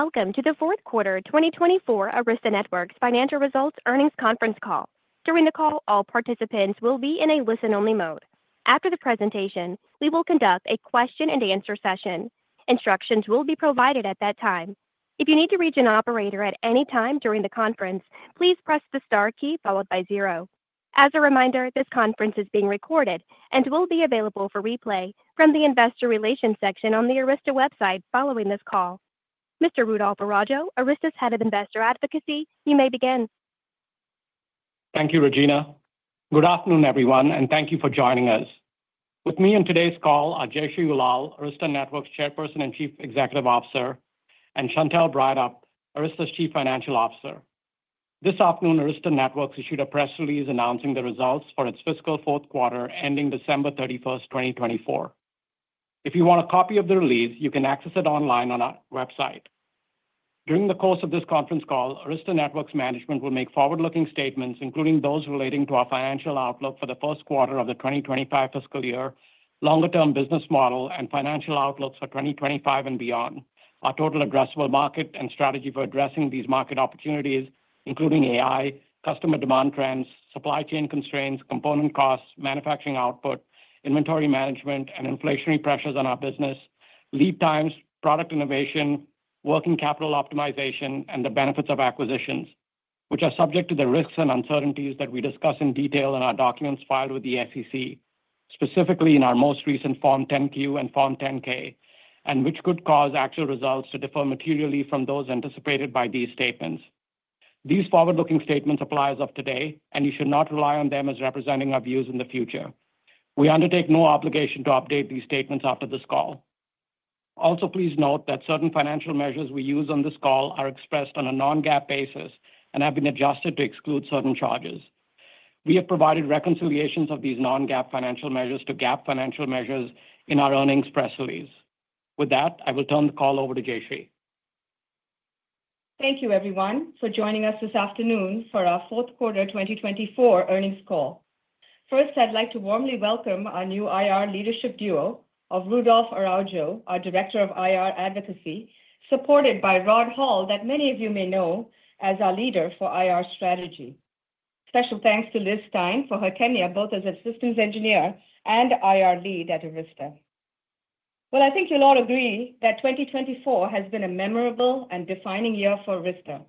Welcome to the fourth quarter 2024 Arista Networks Financial Results Earnings Conference Call. During the call, all participants will be in a listen-only mode. After the presentation, we will conduct a question-and-answer session. Instructions will be provided at that time. If you need to reach an operator at any time during the conference, please press the star key followed by zero. As a reminder, this conference is being recorded and will be available for replay from the Investor Relations section on the Arista website following this call. Mr. Rudolph Araujo, Arista's Head of Investor Advocacy, you may begin. Thank you, Regina. Good afternoon, everyone, and thank you for joining us. With me on today's call are Jayshree Ullal, Arista Networks' Chairperson and Chief Executive Officer, and Chantelle Breithaupt, Arista's Chief Financial Officer. This afternoon, Arista Networks issued a press release announcing the results for its fiscal fourth quarter ending December 31st, 2024. If you want a copy of the release, you can access it online on our website. During the course of this conference call, Arista Networks management will make forward-looking statements, including those relating to our financial outlook for the first quarter of the 2025 fiscal year, longer-term business model, and financial outlooks for 2025 and beyond, our total addressable market, and strategy for addressing these market opportunities, including AI, customer demand trends, supply chain constraints, component costs, manufacturing output, inventory management, and inflationary pressures on our business, lead times, product innovation, working capital optimization, and the benefits of acquisitions, which are subject to the risks and uncertainties that we discuss in detail in our documents filed with the SEC, specifically in our most recent Form 10-Q and Form 10-K, and which could cause actual results to differ materially from those anticipated by these statements. These forward-looking statements apply as of today, and you should not rely on them as representing our views in the future. We undertake no obligation to update these statements after this call. Also, please note that certain financial measures we use on this call are expressed on a non-GAAP basis and have been adjusted to exclude certain charges. We have provided reconciliations of these non-GAAP financial measures to GAAP financial measures in our earnings press release. With that, I will turn the call over to Jayshree. Thank you, everyone, for joining us this afternoon for our Fourth Quarter 2024 Earnings Call. First, I'd like to warmly welcome our new IR leadership duo of Rudolph Araujo, our director of IR Advocacy, supported by Rod Hall, that many of you may know as our leader for IR Strategy. Special thanks to Liz Stine for her tenure both as Systems Engineer and IR lead at Arista, well, I think you'll all agree that 2024 has been a memorable and defining year for Arista.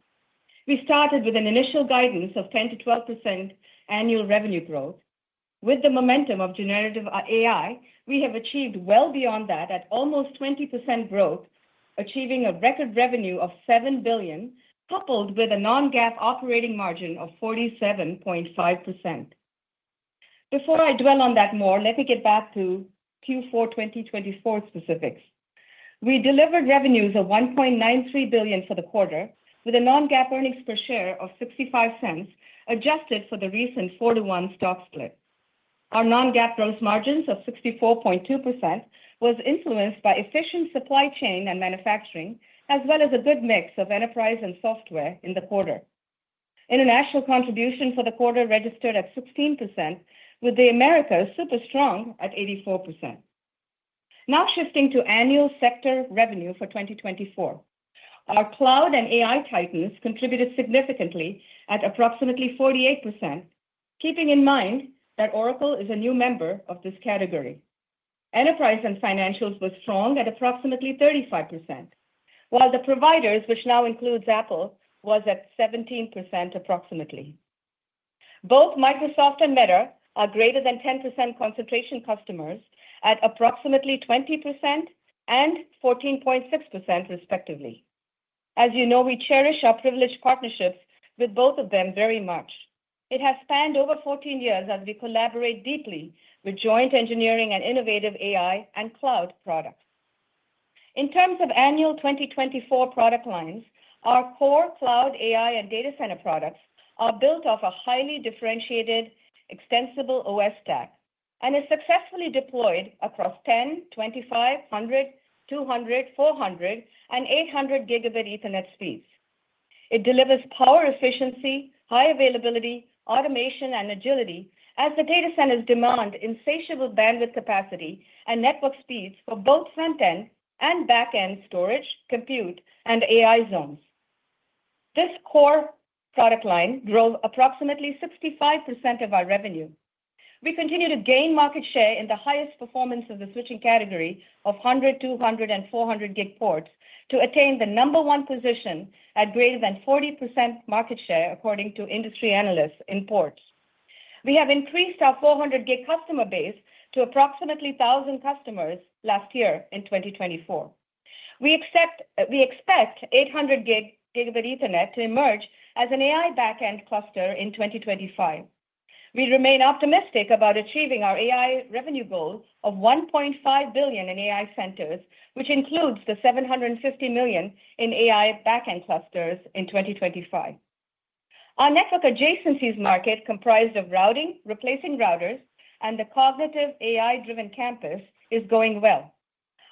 We started with an initial guidance of 10%-12% annual revenue growth. With the momentum of Generative AI, we have achieved well beyond that at almost 20% growth, achieving a record revenue of $7 billion, coupled with a non-GAAP operating margin of 47.5%. Before I dwell on that more, let me get back to Q4 2024 specifics. We delivered revenues of $1.93 billion for the quarter, with a non-GAAP earnings per share of $0.65, adjusted for the recent 4:1 stock split. Our non-GAAP gross margins of 64.2% were influenced by efficient supply chain and manufacturing, as well as a good mix of enterprise and software in the quarter. International contribution for the quarter registered at 16%, with the Americas super strong at 84%. Now shifting to annual sector revenue for 2024, our Cloud and AI Titans contributed significantly at approximately 48%, keeping in mind that Oracle is a new member of this category. Enterprise and financials were strong at approximately 35%, while the providers, which now includes Apple, were at 17% approximately. Both Microsoft and Meta are greater than 10% concentration customers at approximately 20% and 14.6%, respectively. As you know, we cherish our privileged partnerships with both of them very much. It has spanned over 14 years as we collaborate deeply with joint engineering and innovative AI and cloud products. In terms of annual 2024 product lines, our core cloud AI and data center products are built off a highly differentiated extensible OS stack and are successfully deployed across 10, 25, 100, 200, 400, and 800 gigabit Ethernet speeds. It delivers power efficiency, high availability, automation, and agility as the data centers demand insatiable bandwidth capacity and network speeds for both front-end and back-end storage, compute, and AI zones. This core product line drove approximately 65% of our revenue. We continue to gain market share in the highest performance of the switching category of 100, 200, and 400 gig ports to attain the number one position at greater than 40% market share, according to industry analysts in ports. We have increased our 400 gig customer base to approximately 1,000 customers last year in 2024. We expect 800 gigabit Ethernet to emerge as an AI back-end cluster in 2025. We remain optimistic about achieving our AI revenue goal of $1.5 billion in AI centers, which includes the $750 million in AI back-end clusters in 2025. Our network adjacencies market, comprised of routing, replacing routers, and the cognitive AI-driven campus, is going well.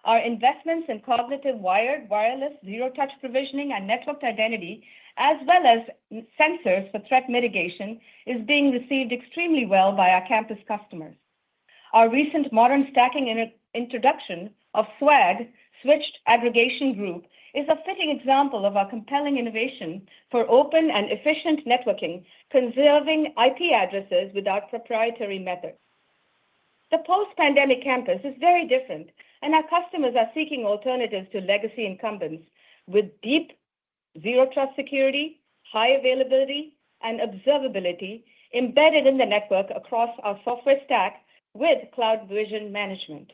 Our investments in cognitive wired, wireless, Zero Touch Provisioning, and network identity, as well as sensors for threat mitigation, are being received extremely well by our campus customers. Our recent modern stacking introduction of SWAG, Switch Aggregation Group, is a fitting example of our compelling innovation for open and efficient networking, conserving IP addresses without proprietary methods. The post-pandemic campus is very different, and our customers are seeking alternatives to legacy incumbents with deep Zero Trust Security, high availability, and observability embedded in the network across our software stack with CloudVision management.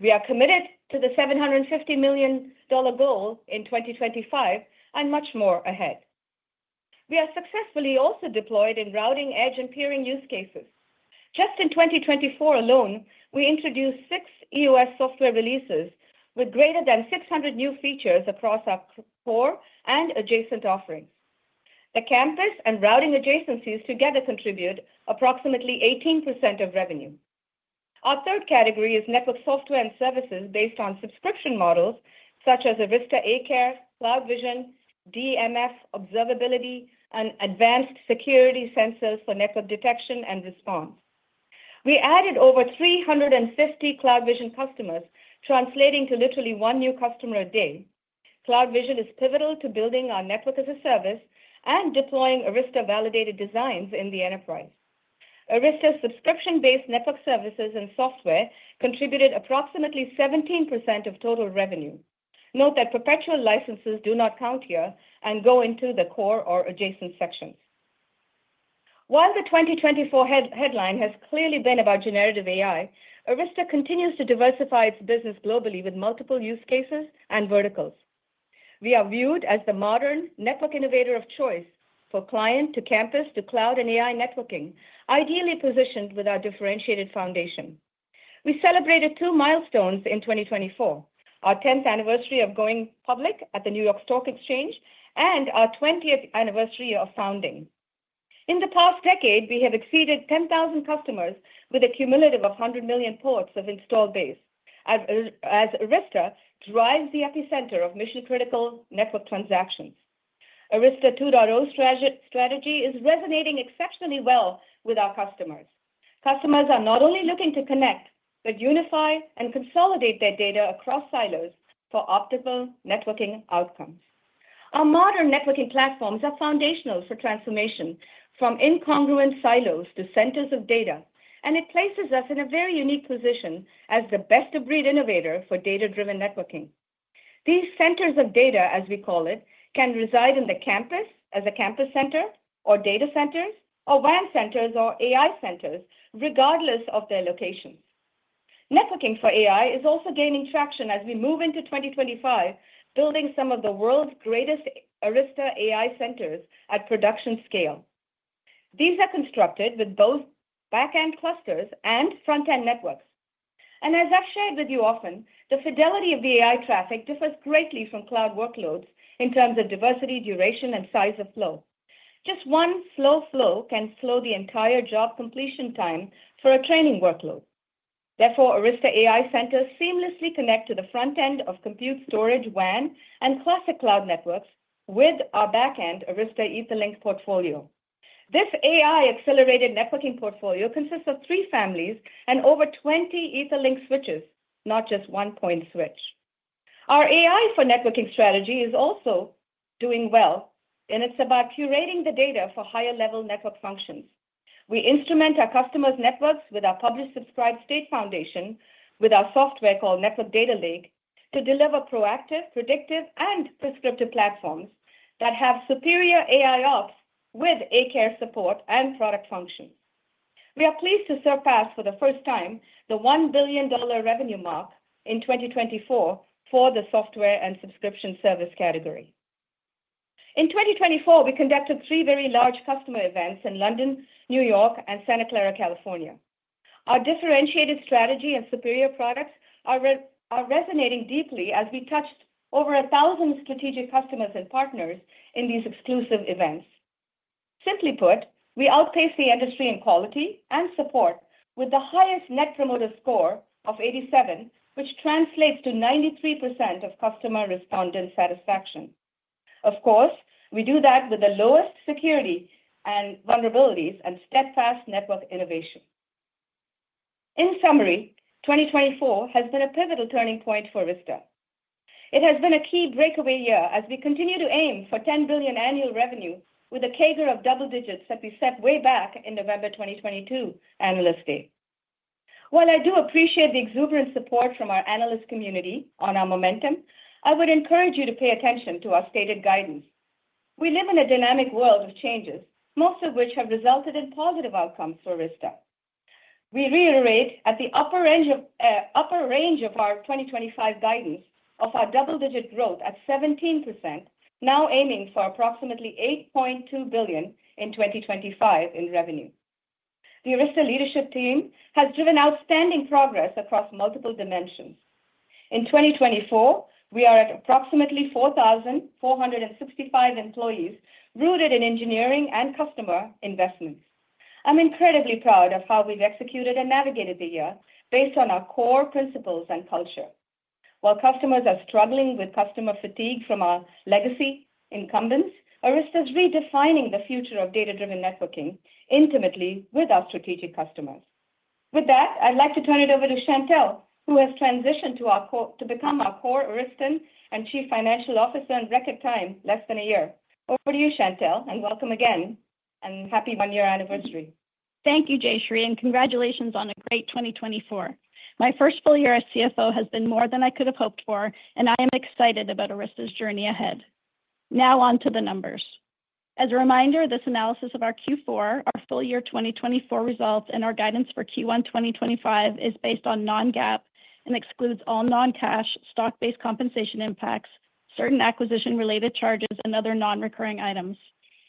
We are committed to the $750 million goal in 2025 and much more ahead. We have successfully also deployed in routing, edge, and peering use cases. Just in 2024 alone, we introduced six EOS software releases with greater than 600 new features across our core and adjacent offerings. The campus and routing adjacencies together contribute approximately 18% of revenue. Our third category is network software and services based on subscription models such as Arista A-Care, CloudVision, DMF observability, and advanced security sensors for network detection and response. We added over 350 CloudVision customers, translating to literally one new customer a day. CloudVision is pivotal to building our network as a service and deploying Arista Validated Designs in the enterprise. Arista's subscription-based network services and software contributed approximately 17% of total revenue. Note that perpetual licenses do not count here and go into the core or adjacent sections. While the 2024 headline has clearly been about generative AI, Arista continues to diversify its business globally with multiple use cases and verticals. We are viewed as the modern network innovator of choice for client to campus to cloud and AI networking, ideally positioned with our differentiated foundation. We celebrated two milestones in 2024: our 10th anniversary of going public at the New York Stock Exchange and our 20th anniversary of founding. In the past decade, we have exceeded 10,000 customers with a cumulative of 100 million ports of installed base, as Arista drives the epicenter of mission-critical network transactions. Arista 2.0 strategy is resonating exceptionally well with our customers. Customers are not only looking to connect, but unify and consolidate their data across silos for optimal networking outcomes. Our modern networking platforms are foundational for transformation from incongruent silos to centers of data, and it places us in a very unique position as the best-of-breed innovator for data-driven networking. These centers of data, as we call it, can reside in the campus as a campus center or data centers or WAN centers or AI centers, regardless of their location. Networking for AI is also gaining traction as we move into 2025, building some of the world's greatest Arista AI centers at production scale. These are constructed with both back-end clusters and front-end networks. And as I've shared with you often, the fidelity of the AI traffic differs greatly from cloud workloads in terms of diversity, duration, and size of flow. Just one slow flow can slow the entire job completion time for a training workload. Therefore, Arista AI centers seamlessly connect to the front end of compute, storage, WAN, and classic cloud networks with our back-end Arista Etherlink portfolio. This AI-accelerated networking portfolio consists of three families and over 20 Etherlink switches, not just one point switch. Our AI for networking strategy is also doing well, and it's about curating the data for higher-level network functions. We instrument our customers' networks with our Publish-Subscribe state foundation with our software called Network Data Lake to deliver proactive, predictive, and prescriptive platforms that have superior AI ops with A-Care support and product functions. We are pleased to surpass for the first time the $1 billion revenue mark in 2024 for the software and subscription service category. In 2024, we conducted three very large customer events in London, New York, and Santa Clara, California. Our differentiated strategy and superior products are resonating deeply as we touched over 1,000 strategic customers and partners in these exclusive events. Simply put, we outpace the industry in quality and support with the highest Net Promoter Score of 87, which translates to 93% of customer respondent satisfaction. Of course, we do that with the lowest security and vulnerabilities and steadfast network innovation. In summary, 2024 has been a pivotal turning point for Arista. It has been a key breakaway year as we continue to aim for $10 billion annual revenue with a CAGR of double digits that we set way back in November 2022 Analyst Day. While I do appreciate the exuberant support from our analyst community on our momentum, I would encourage you to pay attention to our stated guidance. We live in a dynamic world of changes, most of which have resulted in positive outcomes for Arista. We reiterate at the upper range of our 2025 guidance of our double-digit growth at 17%, now aiming for approximately $8.2 billion in 2025 in revenue. The Arista leadership team has driven outstanding progress across multiple dimensions. In 2024, we are at approximately 4,465 employees rooted in engineering and customer investments. I'm incredibly proud of how we've executed and navigated the year based on our core principles and culture. While customers are struggling with change fatigue from our legacy incumbents, Arista is redefining the future of data-driven networking intimately with our strategic customers. With that, I'd like to turn it over to Chantelle, who has transitioned to become our CFO and Chief Financial Officer in record time, less than a year. Over to you, Chantelle, and welcome again and happy one-year anniversary. Thank you, Jayshree, and congratulations on a great 2024. My first full year as CFO has been more than I could have hoped for, and I am excited about Arista's journey ahead. Now on to the numbers. As a reminder, this analysis of our Q4, our full year 2024 results, and our guidance for Q1 2025 is based on non-GAAP and excludes all non-cash stock-based compensation impacts, certain acquisition-related charges, and other non-recurring items.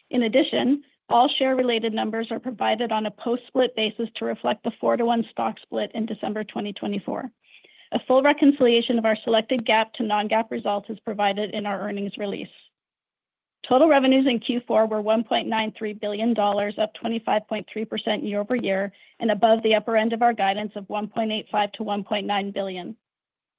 In addition, all share-related numbers are provided on a post-split basis to reflect the 4:1 stock split in December 2024. A full reconciliation of our selected GAAP to non-GAAP results is provided in our earnings release. Total revenues in Q4 were $1.93 billion, up 25.3% year-over-year, and above the upper end of our guidance of $1.85-$1.9 billion.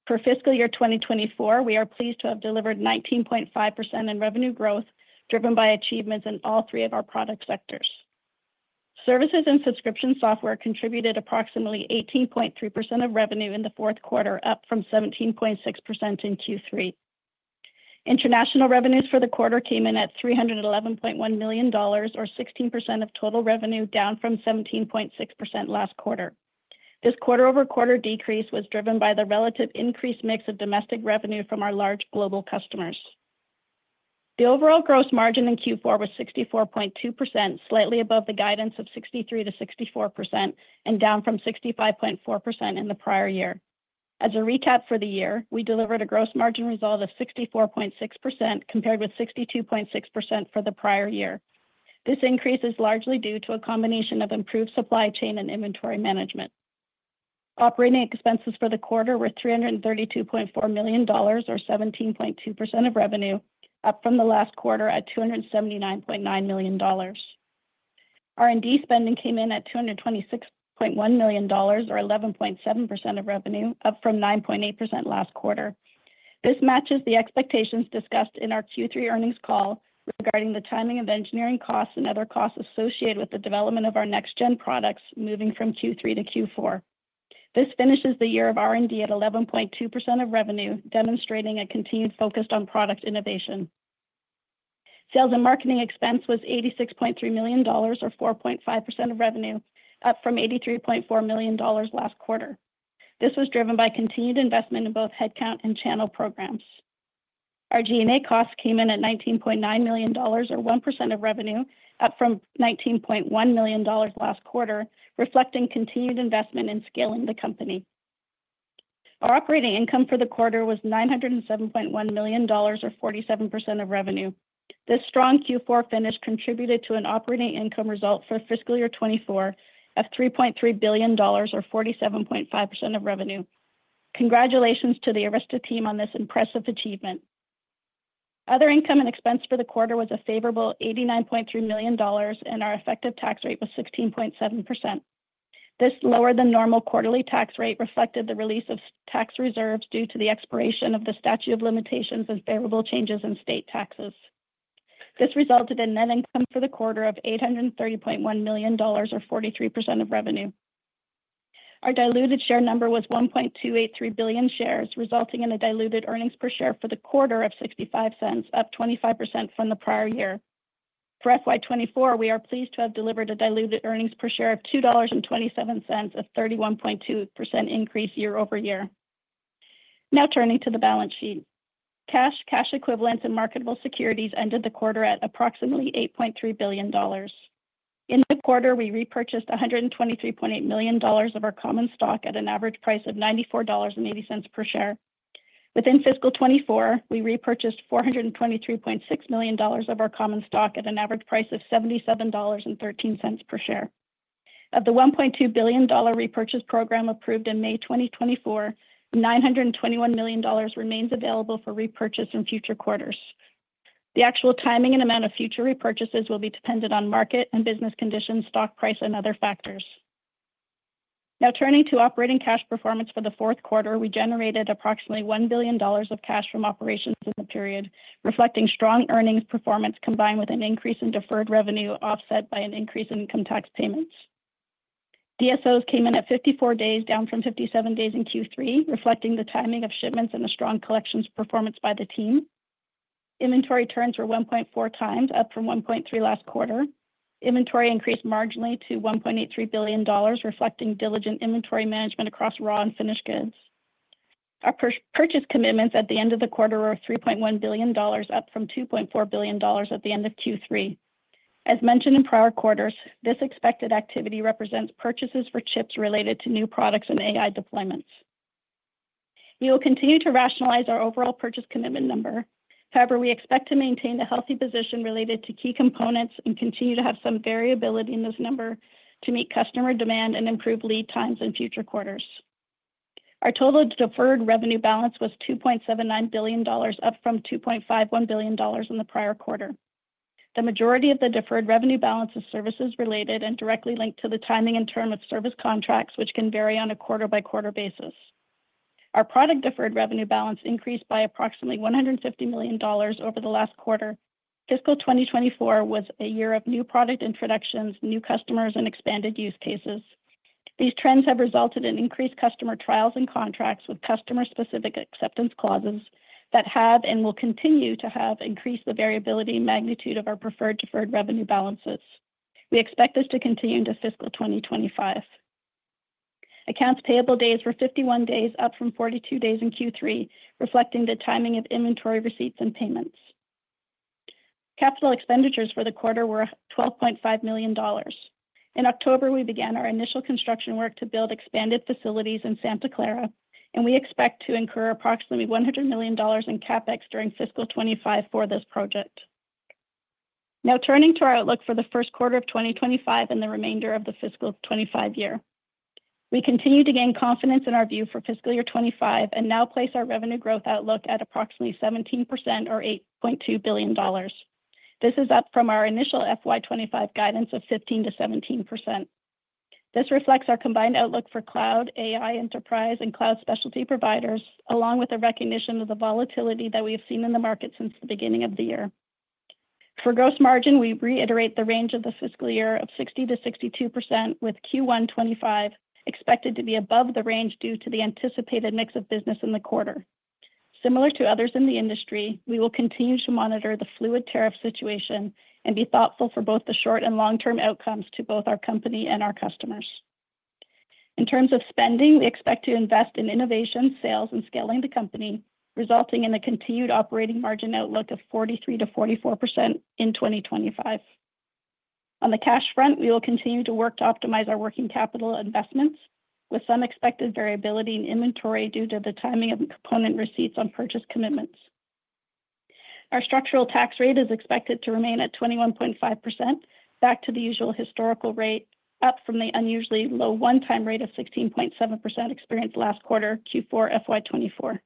For fiscal year 2024, we are pleased to have delivered 19.5% in revenue growth driven by achievements in all three of our product sectors. Services and subscription software contributed approximately 18.3% of revenue in the fourth quarter, up from 17.6% in Q3. International revenues for the quarter came in at $311.1 million, or 16% of total revenue, down from 17.6% last quarter. This quarter-over-quarter decrease was driven by the relative increased mix of domestic revenue from our large global customers. The overall gross margin in Q4 was 64.2%, slightly above the guidance of 63%-64%, and down from 65.4% in the prior year. As a recap for the year, we delivered a gross margin result of 64.6% compared with 62.6% for the prior year. This increase is largely due to a combination of improved supply chain and inventory management. Operating expenses for the quarter were $332.4 million, or 17.2% of revenue, up from the last quarter at $279.9 million. R&D spending came in at $226.1 million, or 11.7% of revenue, up from 9.8% last quarter. This matches the expectations discussed in our Q3 earnings call regarding the timing of engineering costs and other costs associated with the development of our next-gen products moving from Q3 to Q4. This finishes the year of R&D at 11.2% of revenue, demonstrating a continued focus on product innovation. Sales and marketing expense was $86.3 million, or 4.5% of revenue, up from $83.4 million last quarter. This was driven by continued investment in both headcount and channel programs. Our G&A costs came in at $19.9 million, or 1% of revenue, up from $19.1 million last quarter, reflecting continued investment in scaling the company. Our operating income for the quarter was $907.1 million, or 47% of revenue. This strong Q4 finish contributed to an operating income result for fiscal year 2024 of $3.3 billion, or 47.5% of revenue. Congratulations to the Arista team on this impressive achievement. Other income and expense for the quarter was a favorable $89.3 million, and our effective tax rate was 16.7%. This lower-than-normal quarterly tax rate reflected the release of tax reserves due to the expiration of the statute of limitations and favorable changes in state taxes. This resulted in net income for the quarter of $830.1 million, or 43% of revenue. Our diluted share number was 1.283 billion shares, resulting in a diluted earnings per share for the quarter of $0.65, up 25% from the prior year. For FY 2024, we are pleased to have delivered a diluted earnings per share of $2.27, a 31.2% increase year-over-year. Now turning to the balance sheet, cash, cash equivalents, and marketable securities ended the quarter at approximately $8.3 billion. In the quarter, we repurchased $123.8 million of our common stock at an average price of $94.80 per share. Within fiscal 2024, we repurchased $423.6 million of our common stock at an average price of $77.13 per share. Of the $1.2 billion repurchase program approved in May 2024, $921 million remains available for repurchase in future quarters. The actual timing and amount of future repurchases will be dependent on market and business conditions, stock price, and other factors. Now turning to operating cash performance for the fourth quarter, we generated approximately $1 billion of cash from operations in the period, reflecting strong earnings performance combined with an increase in deferred revenue offset by an increase in income tax payments. DSOs came in at 54 days, down from 57 days in Q3, reflecting the timing of shipments and a strong collections performance by the team. Inventory turns were 1.4 times, up from 1.3 last quarter. Inventory increased marginally to $1.83 billion, reflecting diligent inventory management across raw and finished goods. Our purchase commitments at the end of the quarter were $3.1 billion, up from $2.4 billion at the end of Q3. As mentioned in prior quarters, this expected activity represents purchases for chips related to new products and AI deployments. We will continue to rationalize our overall purchase commitment number. However, we expect to maintain a healthy position related to key components and continue to have some variability in this number to meet customer demand and improve lead times in future quarters. Our total deferred revenue balance was $2.79 billion, up from $2.51 billion in the prior quarter. The majority of the deferred revenue balance is services related and directly linked to the timing and term of service contracts, which can vary on a quarter-by-quarter basis. Our product deferred revenue balance increased by approximately $150 million over the last quarter. Fiscal 2024 was a year of new product introductions, new customers, and expanded use cases. These trends have resulted in increased customer trials and contracts with customer-specific acceptance clauses that have and will continue to have increased the variability and magnitude of our product deferred revenue balances. We expect this to continue into fiscal 2025. Accounts payable days were 51 days, up from 42 days in Q3, reflecting the timing of inventory receipts and payments. Capital expenditures for the quarter were $12.5 million. In October, we began our initial construction work to build expanded facilities in Santa Clara, and we expect to incur approximately $100 million in CapEx during fiscal 2025 for this project. Now turning to our outlook for the first quarter of 2025 and the remainder of the fiscal 2025 year, we continue to gain confidence in our view for fiscal year 2025 and now place our revenue growth outlook at approximately 17%, or $8.2 billion. This is up from our initial FY 2025 guidance of 15%-17%. This reflects our combined outlook for cloud, AI enterprise, and cloud specialty providers, along with the recognition of the volatility that we have seen in the market since the beginning of the year. For gross margin, we reiterate the range of the fiscal year of 60%-62%, with Q1 2025 expected to be above the range due to the anticipated mix of business in the quarter. Similar to others in the industry, we will continue to monitor the fluid tariff situation and be thoughtful for both the short and long-term outcomes to both our company and our customers. In terms of spending, we expect to invest in innovation, sales, and scaling the company, resulting in a continued operating margin outlook of 43%-44% in 2025. On the cash front, we will continue to work to optimize our working capital investments, with some expected variability in inventory due to the timing of component receipts on purchase commitments. Our structural tax rate is expected to remain at 21.5%, back to the usual historical rate, up from the unusually low one-time rate of 16.7% experienced last quarter, Q4 FY 2024.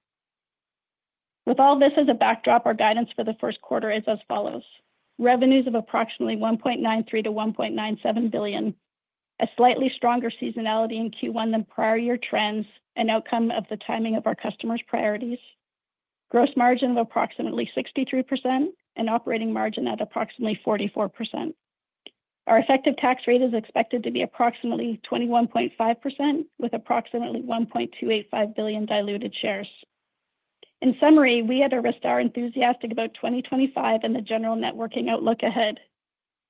With all this as a backdrop, our guidance for the first quarter is as follows: revenues of approximately $1.93-$1.97 billion, a slightly stronger seasonality in Q1 than prior year trends and outcome of the timing of our customers' priorities, gross margin of approximately 63%, and operating margin at approximately 44%. Our effective tax rate is expected to be approximately 21.5%, with approximately 1.285 billion diluted shares. In summary, we at Arista are enthusiastic about 2025 and the general networking outlook ahead.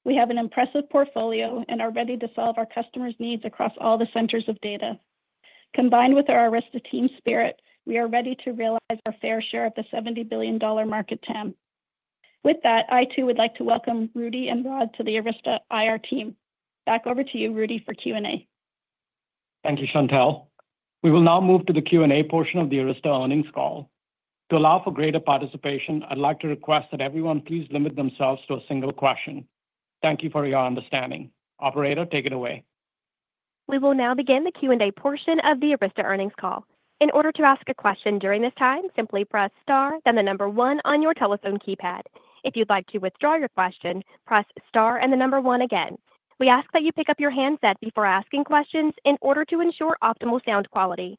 We have an impressive portfolio and are ready to solve our customers' needs across all the data centers. Combined with our Arista team spirit, we are ready to realize our fair share of the $70 billion market TAM. With that, I too would like to welcome Rudy and Rod to the Arista IR team. Back over to you, Rudy, for Q&A. Thank you, Chantelle. We will now move to the Q&A portion of the Arista earnings call. To allow for greater participation, I'd like to request that everyone please limit themselves to a single question. Thank you for your understanding. Operator, take it away. We will now begin the Q&A portion of the Arista earnings call. In order to ask a question during this time, simply press star, then the number one on your telephone keypad. If you'd like to withdraw your question, press star and the number one again. We ask that you pick up your handset before asking questions in order to ensure optimal sound quality.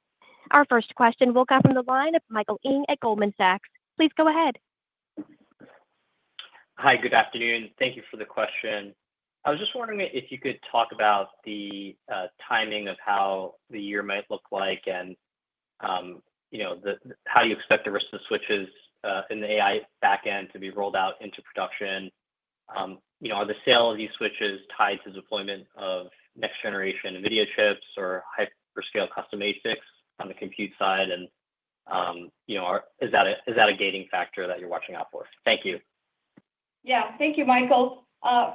Our first question will come from the line of Michael Ng at Goldman Sachs. Please go ahead. Hi, good afternoon. Thank you for the question. I was just wondering if you could talk about the timing of how the year might look like and how do you expect Arista switches in the AI backend to be rolled out into production? Are the sale of these switches tied to the deployment of next-generation NVIDIA chips or hyperscale custom ASICs on the compute side, and is that a gating factor that you're watching out for? Thank you. Yeah, thank you, Michael.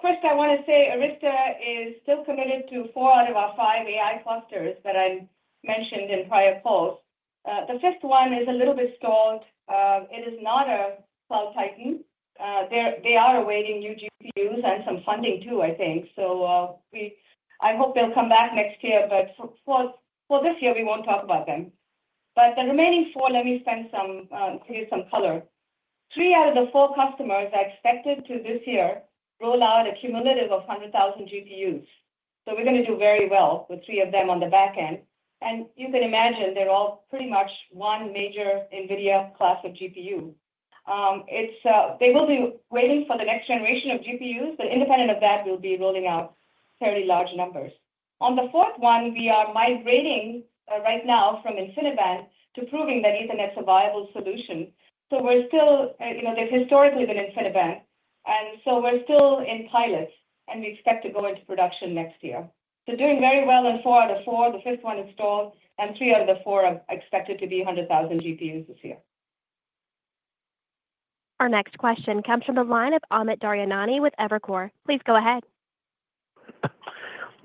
First, I want to say Arista is still committed to four out of our five AI clusters that I mentioned in prior calls. The fifth one is a little bit stalled. It is not a cloud titan. They are awaiting new GPUs and some funding too, I think. So I hope they'll come back next year, but for this year, we won't talk about them. But the remaining four, let me spend some to give some color. Three out of the four customers are expected to this year roll out a cumulative of 100,000 GPUs. So we're going to do very well with three of them on the backend. And you can imagine they're all pretty much one major NVIDIA class of GPU. They will be waiting for the next generation of GPUs, but independent of that, we'll be rolling out fairly large numbers. On the fourth one, we are migrating right now from InfiniBand to proving that Ethernet survivable solution. So we're still, you know, they've historically been InfiniBand. And so we're still in pilots, and we expect to go into production next year. So doing very well in four out of four. The fifth one is stalled, and three out of the four are expected to be 100,000 GPUs this year. Our next question comes from the line of Amit Daryanani with Evercore. Please go ahead. Yep,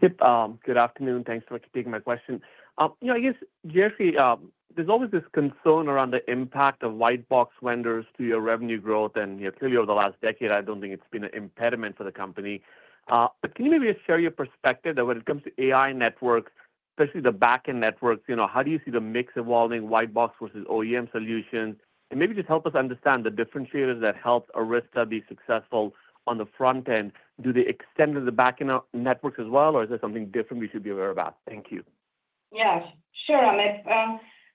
good afternoon. Thanks so much for taking my question. You know, I guess, Jayshree, there's always this concern around the impact of white-box vendors to your revenue growth. And clearly, over the last decade, I don't think it's been an impediment for the company. But can you maybe just share your perspective that when it comes to AI networks, especially the backend networks, you know, how do you see the mix evolving, white-box versus OEM solutions? And maybe just help us understand the differentiators that helped Arista be successful on the front end. Do they extend to the backend networks as well, or is there something different we should be aware about? Thank you. Yes, sure, Amit.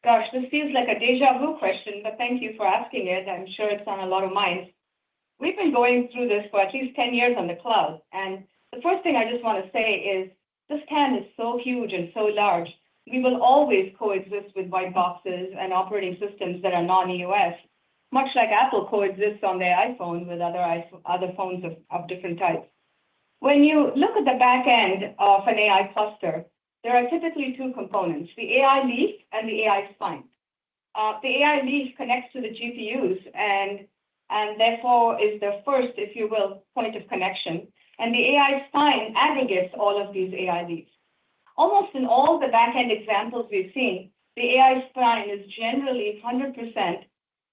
Gosh, this seems like a déjà vu question, but thank you for asking it. I'm sure it's on a lot of minds. We've been going through this for at least 10 years on the cloud, and the first thing I just want to say is this TAM is so huge and so large. We will always coexist with white boxes and operating systems that are non-EOS, much like Apple coexists on their iPhone with other phones of different types. When you look at the backend of an AI cluster, there are typically two components: the AI leaf and the AI spine. The AI leaf connects to the GPUs and therefore is the first, if you will, point of connection, and the AI spine aggregates all of these AI leaves. Almost in all the backend examples we've seen, the AI spine is generally 100%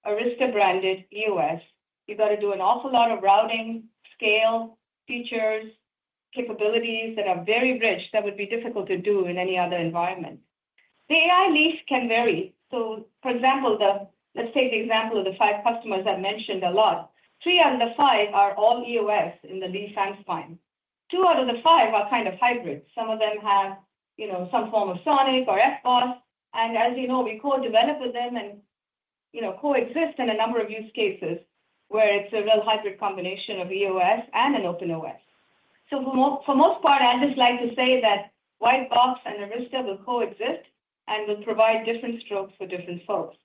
Arista-branded EOS. You've got to do an awful lot of routing, scale, features, capabilities that are very rich that would be difficult to do in any other environment. The AI leaf can vary. So, for example, let's take the example of the five customers I've mentioned a lot. Three out of the five are all EOS in the leaf and spine. Two out of the five are kind of hybrid. Some of them have some form of SONiC or FBOSS. And as you know, we co-develop with them and coexist in a number of use cases where it's a real hybrid combination of EOS and an open OS. So, for the most part, I'd just like to say that white box and Arista will coexist and will provide different strokes for different folks.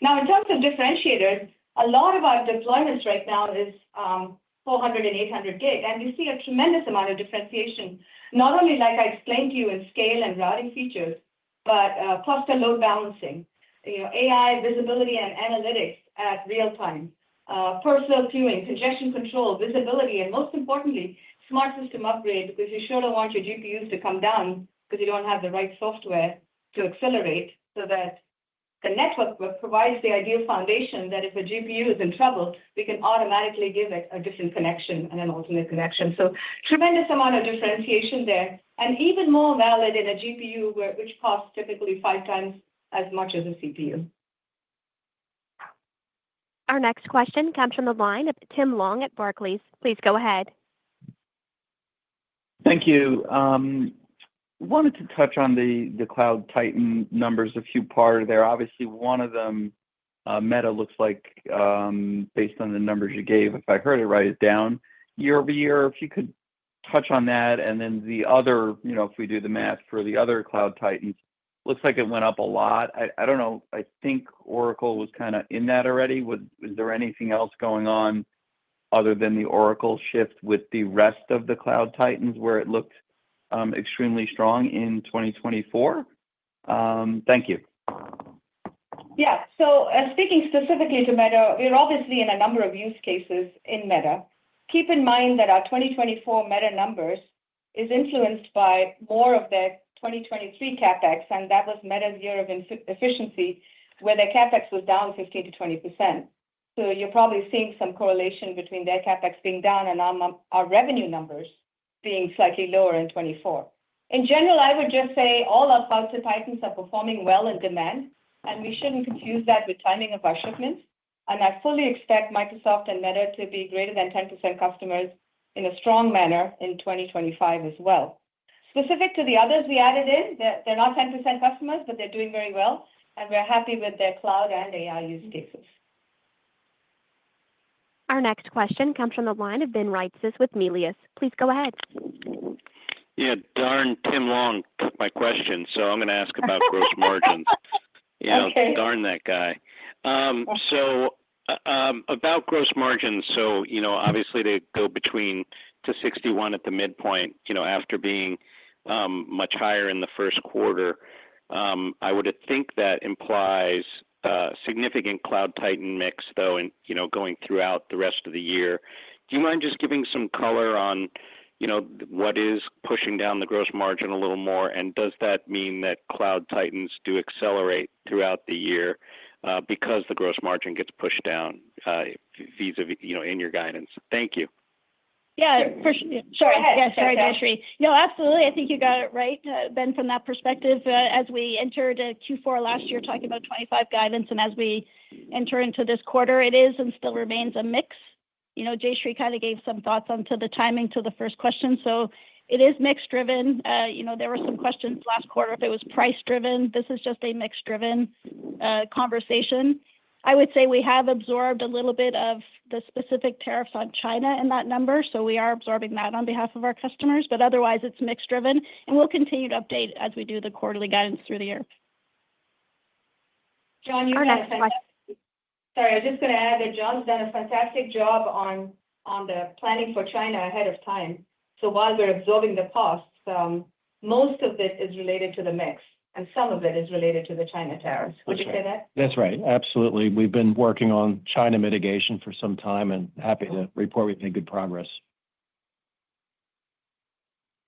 Now, in terms of differentiators, a lot of our deployments right now is 400 gig and 800 gig. And we see a tremendous amount of differentiation, not only, like I explained to you, in scale and routing features, but cluster load balancing, AI visibility and analytics in real time, per-span queuing, congestion control, visibility, and most importantly, Smart System Upgrade, because you sure don't want your GPUs to come down because you don't have the right software to accelerate so that the network provides the ideal foundation that if a GPU is in trouble, we can automatically give it a different connection and an alternate connection. So, tremendous amount of differentiation there, and even more valuable in a GPU which costs typically five times as much as a CPU. Our next question comes from the line of Tim Long at Barclays. Please go ahead. Thank you. I wanted to touch on the cloud titan numbers a few parts there. Obviously, one of them, Meta, looks like based on the numbers you gave, if I heard it right, is down year-over-year, if you could touch on that. And then the other, you know, if we do the math for the other Cloud Titans, looks like it went up a lot. I don't know. I think Oracle was kind of in that already. Was there anything else going on other than the Oracle shift with the rest of the Cloud Titans where it looked extremely strong in 2024? Thank you. Yeah. So, speaking specifically to Meta, we're obviously in a number of use cases in Meta. Keep in mind that our 2024 Meta numbers are influenced by more of their 2023 CapEx, and that was Meta's year of efficiency where their CapEx was down 15%-20%. So you're probably seeing some correlation between their CapEx being down and our revenue numbers being slightly lower in 2024. In general, I would just say all our Cloud Titans are performing well in demand, and we shouldn't confuse that with timing of our shipments. And I fully expect Microsoft and Meta to be greater than 10% customers in a strong manner in 2025 as well. Specific to the others we added in, they're not 10% customers, but they're doing very well, and we're happy with their cloud and AI use cases. Our next question comes from the line of Ben Reitzes with Melius. Please go ahead. Yeah, darn Tim Long took my question. So I'm going to ask about gross margins. Okay. Yeah, I'll turn that guy. So about gross margins, so obviously they go between to 61% at the midpoint after being much higher in the first quarter. I would think that implies significant cloud titan mix, though, going throughout the rest of the year. Do you mind just giving some color on what is pushing down the gross margin a little more? And does that mean that Cloud Titans do accelerate throughout the year because the gross margin gets pushed down in your guidance? Thank you. Yeah, for sure. Sorry. Go ahead. Yes, sorry, Jayshree. No, absolutely. I think you got it right, Ben, from that perspective. As we entered Q4 last year, talking about 25 guidance, and as we enter into this quarter, it is and still remains a mix. You know, Jayshree kind of gave some thoughts onto the timing to the first question. So it is mixed-driven. There were some questions last quarter if it was price-driven. This is just a mixed-driven conversation. I would say we have absorbed a little bit of the specific tariffs on China in that number, so we are absorbing that on behalf of our customers. But otherwise, it's mixed-driven, and we'll continue to update as we do the quarterly guidance through the year. John, you had a question. Sorry, I was just going to add that John's done a fantastic job on the planning for China ahead of time. So while they're absorbing the costs, most of it is related to the mix, and some of it is related to the China tariffs. Would you say that? That's right. Absolutely. We've been working on China mitigation for some time and happy to report we've made good progress.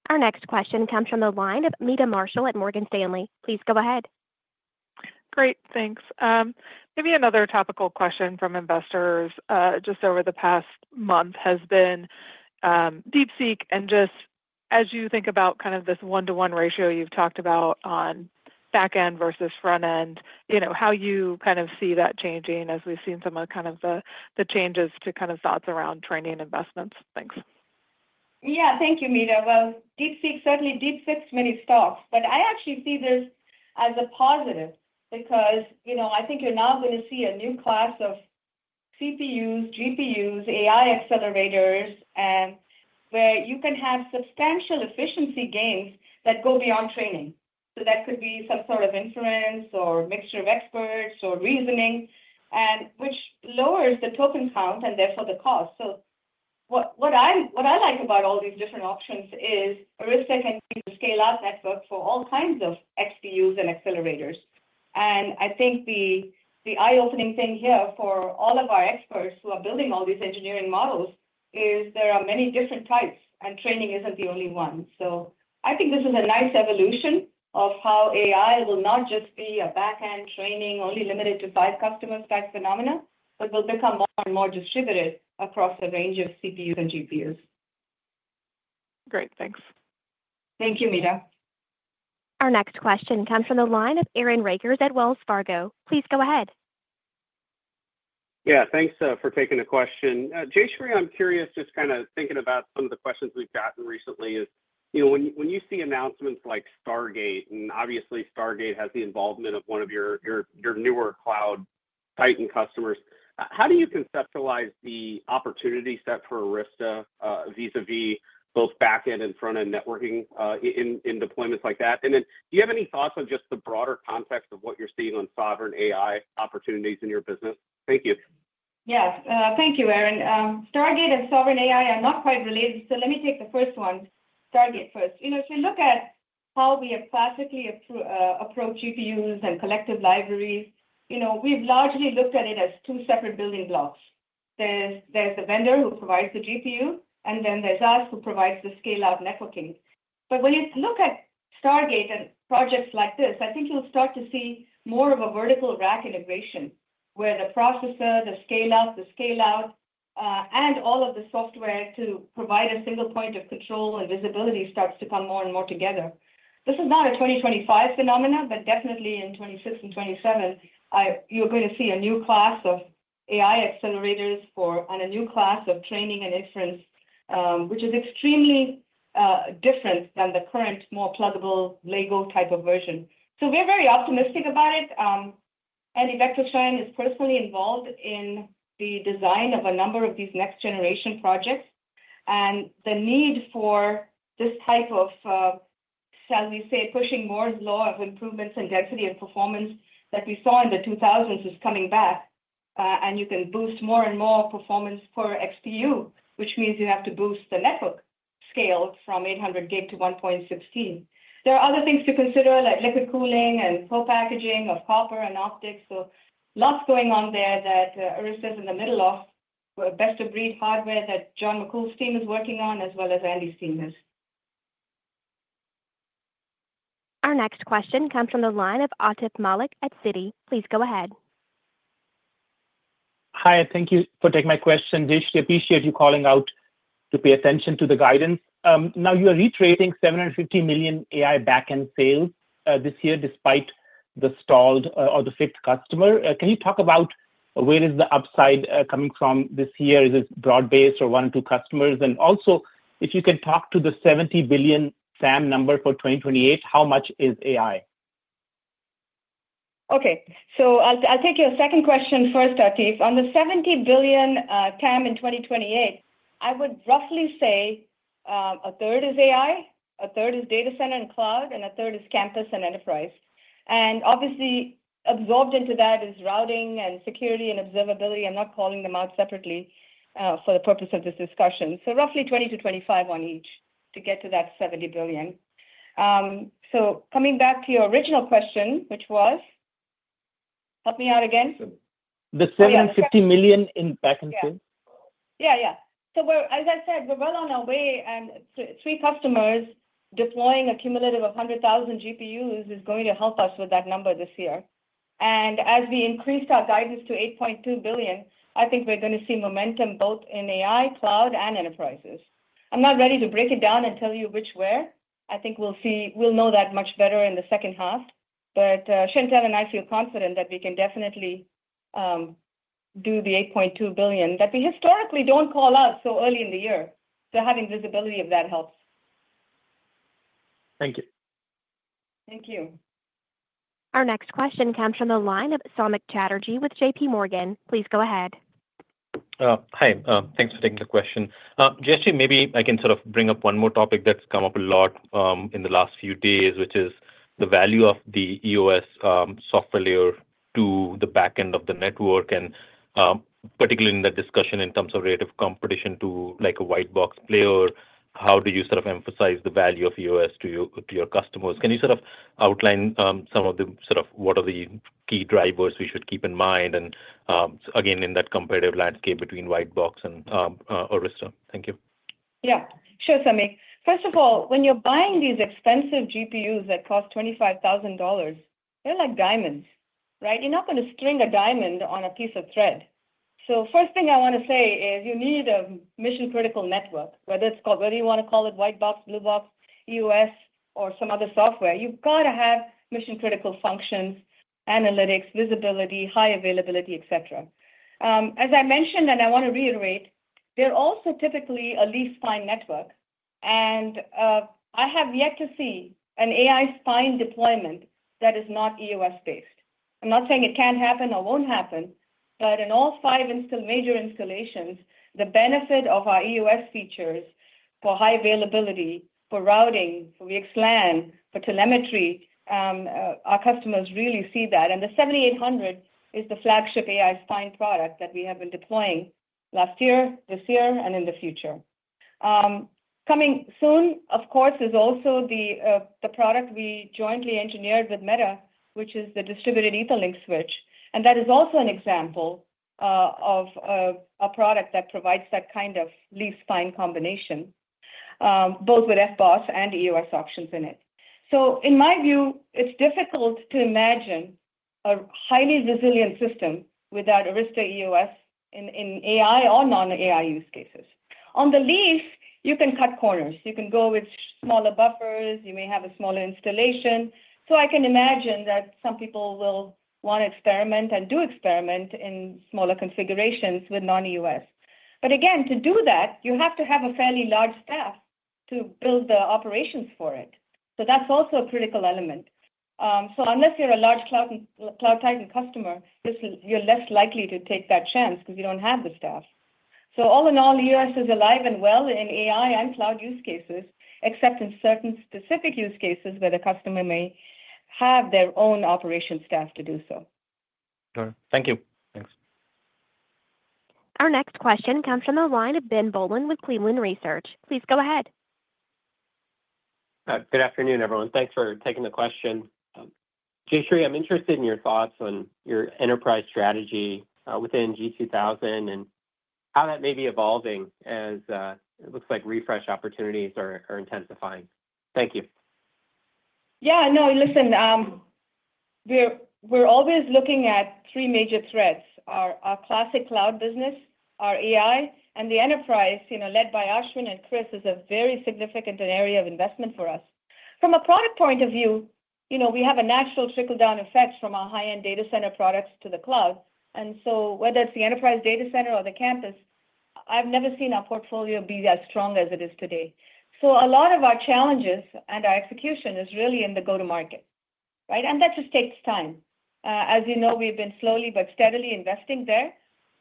Our next question comes from the line of Meta Marshall at Morgan Stanley. Please go ahead. Great. Thanks. Maybe another topical question from investors just over the past month has been DeepSeek. And just as you think about kind of this one-to-one ratio you've talked about on backend versus frontend, how you kind of see that changing as we've seen some of kind of the changes to kind of thoughts around training investments. Thanks. Yeah, thank you, Meta. Well, DeepSeek certainly dips many stocks, but I actually see this as a positive because I think you're now going to see a new class of CPUs, GPUs, AI accelerators, and where you can have substantial efficiency gains that go beyond training. So that could be some sort of inference or mixture of experts or reasoning, which lowers the token count and therefore the cost. So what I like about all these different options is Arista can scale up network for all kinds of XPUs and accelerators. And I think the eye-opening thing here for all of our experts who are building all these engineering models is there are many different types, and training isn't the only one. So I think this is a nice evolution of how AI will not just be a backend training only limited to five customers type phenomenon, but will become more and more distributed across a range of CPUs and GPUs. Great. Thanks. Thank you, Meta. Our next question comes from the line of Aaron Rakers at Wells Fargo. Please go ahead. Yeah, thanks for taking the question. Jayshree, I'm curious, just kind of thinking about some of the questions we've gotten recently, is when you see announcements like Stargate, and obviously Stargate has the involvement of one of your newer cloud titan customers, how do you conceptualize the opportunity set for Arista vis-à-vis both backend and frontend networking in deployments like that? And then do you have any thoughts on just the broader context of what you're seeing on sovereign AI opportunities in your business? Thank you. Yes, thank you, Aaron. Stargate and sovereign AI are not quite related, so let me take the first one, Stargate first. You know, if you look at how we have classically approached GPUs and collective libraries, you know, we've largely looked at it as two separate building blocks. There's the vendor who provides the GPU, and then there's us who provides the scale-out networking. But when you look at Stargate and projects like this, I think you'll start to see more of a vertical rack integration where the processor, the scale-up, the scale-out, and all of the software to provide a single point of control and visibility starts to come more and more together. This is not a 2025 phenomenon, but definitely in 2026 and 2027, you're going to see a new class of AI accelerators and a new class of training and inference, which is extremely different than the current more pluggable Lego type of version. So we're very optimistic about it. Andy Bechtolsheim is personally involved in the design of a number of these next-generation projects. And the need for this type of, shall we say, pushing Moore's law of improvements in density and performance that we saw in the 2000s is coming back. And you can boost more and more performance per XPU, which means you have to boost the network scale from 800 gig to 1.6T. There are other things to consider, like liquid cooling and co-packaged copper and optics. So, lots going on there that Arista's in the middle of, best of breed hardware that John McCool's team is working on, as well as Andy's team is. Our next question comes from the line of Atif Malik at Citi. Please go ahead. Hi, thank you for taking my question. Jayshree, I appreciate you calling out to pay attention to the guidance. Now, you are reiterating $750 million AI backend sales this year despite the stalled order, the fifth customer. Can you talk about where is the upside coming from this year? Is it broad-based or one or two customers? And also, if you can talk to the $70 billion TAM number for 2028, how much is AI? Okay, so I'll take your second question first, Atif. On the $70 billion TAM in 2028, I would roughly say a third is AI, a third is data center and cloud, and a third is campus and enterprise, and obviously absorbed into that is routing and security and observability. I'm not calling them out separately for the purpose of this discussion, so roughly $20 billion to $25 billion on each to get to that $70 billion, so coming back to your original question, which was, help me out again. The $750 million in backend sales? Yeah, yeah. So as I said, we're well on our way, and three customers deploying a cumulative of 100,000 GPUs is going to help us with that number this year. And as we increase our guidance to $8.2 billion, I think we're going to see momentum both in AI, cloud, and enterprises. I'm not ready to break it down and tell you which where. I think we'll know that much better in the second half. But Chantelle and I feel confident that we can definitely do the $8.2 billion that we historically don't call out so early in the year. So having visibility of that helps. Thank you. Thank you. Our next question comes from the line of Samik Chatterjee with JP Morgan. Please go ahead. Hi. Thanks for taking the question. Jayshree, maybe I can sort of bring up one more topic that's come up a lot in the last few days, which is the value of the EOS software layer to the backend of the network, and particularly in that discussion in terms of relative competition to a white box player. How do you sort of emphasize the value of EOS to your customers? Can you sort of outline some of the sort of what are the key drivers we should keep in mind? And again, in that competitive landscape between white box and Arista. Thank you. Yeah, sure, Samik. First of all, when you're buying these expensive GPUs that cost $25,000, they're like diamonds, right? You're not going to string a diamond on a piece of thread. So first thing I want to say is you need a mission-critical network, whether you want to call it white box, blue box, EOS, or some other software. You've got to have mission-critical functions, analytics, visibility, high availability, etc. As I mentioned, and I want to reiterate, they're also typically a leaf spine network. And I have yet to see an AI spine deployment that is not EOS-based. I'm not saying it can't happen or won't happen, but in all five major installations, the benefit of our EOS features for high availability, for routing, for VXLAN, for telemetry, our customers really see that. The 7800 is the flagship AI spine product that we have been deploying last year, this year, and in the future. Coming soon, of course, is also the product we jointly engineered with Meta, which is the distributed Ethernet switch. That is also an example of a product that provides that kind of leaf spine combination, both with FBOSS and EOS options in it. In my view, it's difficult to imagine a highly resilient system without Arista EOS in AI or non-AI use cases. On the leaf, you can cut corners. You can go with smaller buffers. You may have a smaller installation. I can imagine that some people will want to experiment and do experiment in smaller configurations with non-EOS. Again, to do that, you have to have a fairly large staff to build the operations for it. That's also a critical element. Unless you're a large cloud titan customer, you're less likely to take that chance because you don't have the staff. All in all, EOS is alive and well in AI and cloud use cases, except in certain specific use cases where the customer may have their own operation staff to do so. Sure. Thank you. Thanks. Our next question comes from the line of Ben Bollin with Cleveland Research. Please go ahead. Good afternoon, everyone. Thanks for taking the question. Jayshree, I'm interested in your thoughts on your enterprise strategy within G2000 and how that may be evolving as it looks like refresh opportunities are intensifying. Thank you. Yeah, no, listen, we're always looking at three major threads: our classic cloud business, our AI, and the enterprise led by Ashwin and Chris is a very significant area of investment for us. From a product point of view, we have a natural trickle-down effect from our high-end data center products to the cloud. And so whether it's the enterprise data center or the campus, I've never seen our portfolio be as strong as it is today. So a lot of our challenges and our execution is really in the go-to-market, right? And that just takes time. As you know, we've been slowly but steadily investing there.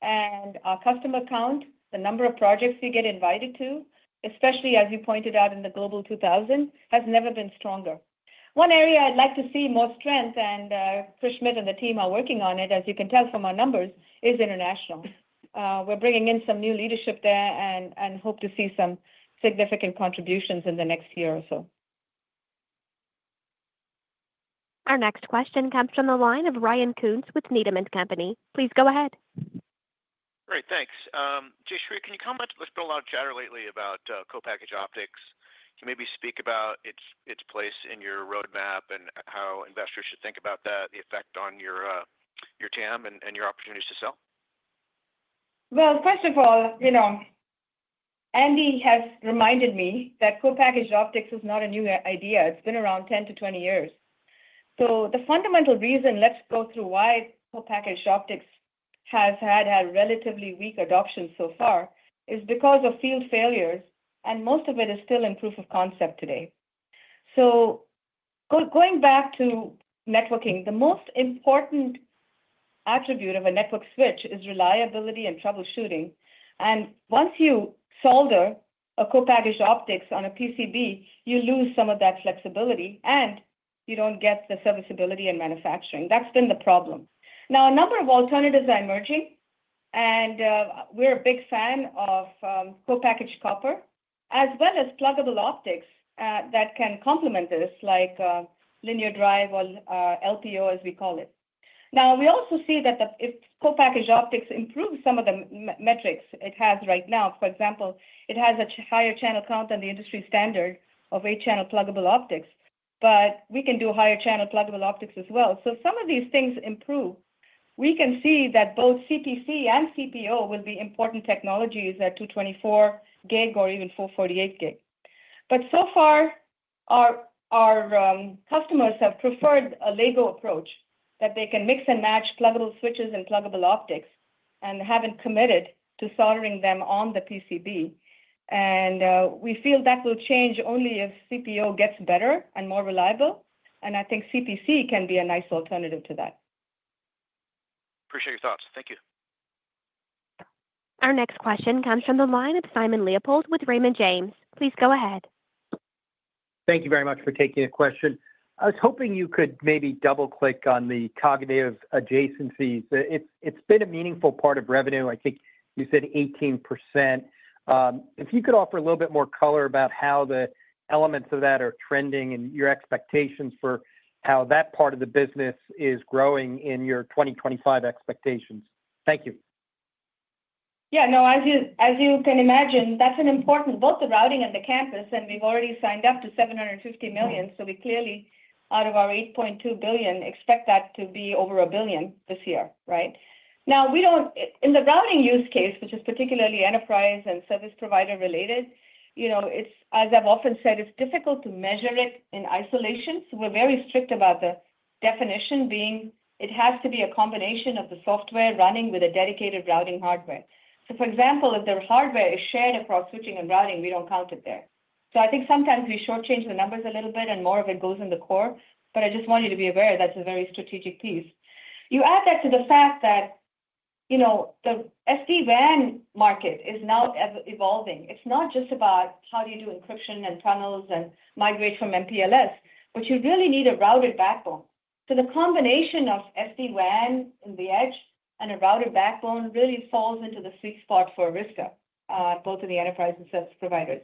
And our customer count, the number of projects we get invited to, especially as you pointed out in the Global 2000, has never been stronger. One area I'd like to see more strength, and Chris Schmidt and the team are working on it, as you can tell from our numbers, is international. We're bringing in some new leadership there and hope to see some significant contributions in the next year or so. Our next question comes from the line of Ryan Koontz with Needham & Company. Please go ahead. Great. Thanks. Jayshree, can you comment? There's been a lot of chatter lately about co-packaged optics. Can you maybe speak about its place in your roadmap and how investors should think about that, the effect on your TAM and your opportunities to sell? First of all, Andy has reminded me that co-packaged optics is not a new idea. It's been around 10-20 years. So the fundamental reason, let's go through why co-packaged optics has had a relatively weak adoption so far is because of field failures, and most of it is still in proof of concept today. So going back to networking, the most important attribute of a network switch is reliability and troubleshooting. And once you solder a co-packaged optics on a PCB, you lose some of that flexibility, and you don't get the serviceability and manufacturing. That's been the problem. Now, a number of alternatives are emerging, and we're a big fan of co-packaged copper, as well as pluggable optics that can complement this, like linear drive or LPO, as we call it. Now, we also see that if co-packaged optics improves some of the metrics it has right now, for example, it has a higher channel count than the industry standard of eight-channel pluggable optics, but we can do higher channel pluggable optics as well. So some of these things improve. We can see that both CPC and CPO will be important technologies at 224 gig or even 448 gig. But so far, our customers have preferred a Lego approach that they can mix and match pluggable switches and pluggable optics and haven't committed to soldering them on the PCB. And we feel that will change only if CPO gets better and more reliable. And I think CPC can be a nice alternative to that. Appreciate your thoughts. Thank you. Our next question comes from the line of Simon Leopold with Raymond James. Please go ahead. Thank you very much for taking the question. I was hoping you could maybe double-click on the cognitive adjacencies. It's been a meaningful part of revenue. I think you said 18%. If you could offer a little bit more color about how the elements of that are trending and your expectations for how that part of the business is growing in your 2025 expectations? Thank you. Yeah, no, as you can imagine, that's an important both the routing and the campus, and we've already signed up to $750 million, so we clearly, out of our $8.2 billion, expect that to be over $1 billion this year, right? Now, in the routing use case, which is particularly enterprise and service provider related, as I've often said, it's difficult to measure it in isolation, so we're very strict about the definition being it has to be a combination of the software running with a dedicated routing hardware. So for example, if their hardware is shared across switching and routing, we don't count it there, so I think sometimes we shortchange the numbers a little bit, and more of it goes in the core, but I just want you to be aware that's a very strategic piece. You add that to the fact that the SD-WAN market is now evolving. It's not just about how do you do encryption and tunnels and migrate from MPLS, but you really need a routed backbone. So the combination of SD-WAN in the edge and a routed backbone really falls into the sweet spot for Arista, both in the enterprise and service providers.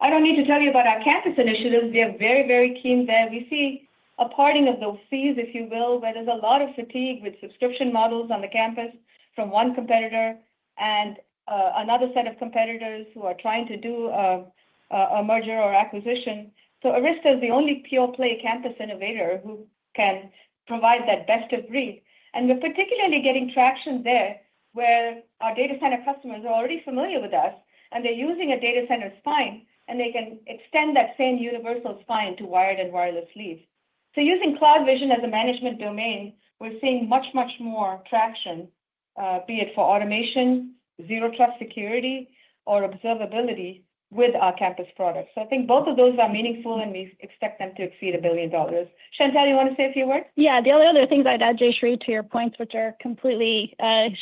I don't need to tell you about our campus initiatives. We are very, very keen there. We see a parting of those seas, if you will, where there's a lot of fatigue with subscription models on the campus from one competitor and another set of competitors who are trying to do a merger or acquisition. So Arista is the only pure-play campus innovator who can provide that best of breed. And we're particularly getting traction there where our data center customers are already familiar with us, and they're using a data center spine, and they can extend that same universal spine to wired and wireless leafs. So using CloudVision as a management domain, we're seeing much, much more traction, be it for automation, Zero Trust Security, or observability with our campus products. So I think both of those are meaningful, and we expect them to exceed $1 billion. Chantelle, you want to say a few words? Yeah, the only other things I'd add, Jayshree, to your points, which are completely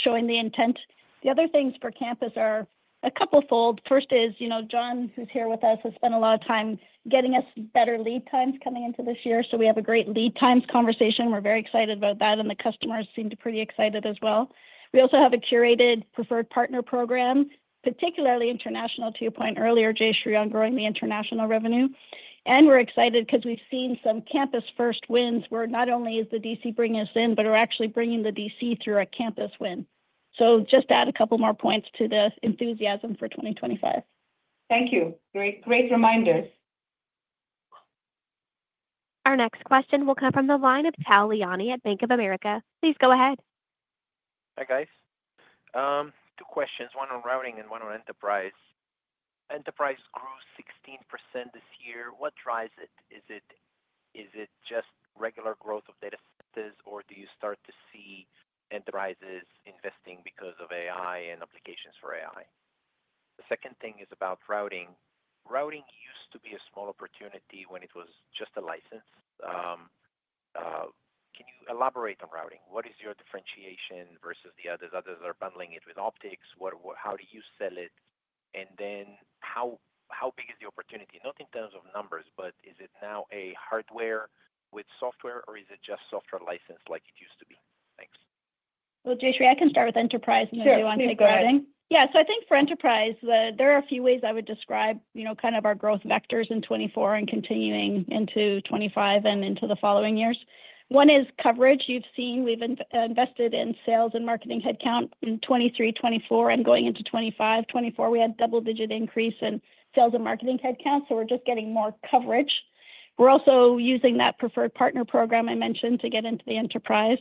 showing the intent. The other things for campus are a couple fold. First, John, who's here with us, has spent a lot of time getting us better lead times coming into this year. So we have a great lead times conversation. We're very excited about that, and the customers seem to be pretty excited as well. We also have a curated preferred partner program, particularly international, to your point earlier, Jayshree, on growing the international revenue. And we're excited because we've seen some campus-first wins where not only is the DC bringing us in, but we're actually bringing the DC through a campus win. So just add a couple more points to the enthusiasm for 2025. Thank you. Great reminders. Our next question will come from the line of Tal Liani at Bank of America. Please go ahead. Hi, guys. Two questions. One on routing and one on enterprise. Enterprise grew 16% this year. What drives it? Is it just regular growth of data centers, or do you start to see enterprises investing because of AI and applications for AI? The second thing is about routing. Routing used to be a small opportunity when it was just a license. Can you elaborate on routing? What is your differentiation versus the others? Others are bundling it with optics. How do you sell it? And then how big is the opportunity? Not in terms of numbers, but is it now a hardware with software, or is it just software licensed like it used to be? Thanks. Jayshree, I can start with enterprise. Sure. And then you want to take routing. Yeah, so I think for enterprise, there are a few ways I would describe kind of our growth vectors in 2024 and continuing into 2025 and into the following years. One is coverage. You've seen we've invested in sales and marketing headcount in 2023, 2024, and going into 2025. 2024, we had double-digit increase in sales and marketing headcount. So we're just getting more coverage. We're also using that preferred partner program I mentioned to get into the enterprise.